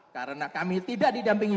karena kami tidak didampingi